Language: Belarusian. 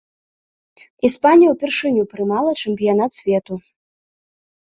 Іспанія ўпершыню прымала чэмпіянат свету.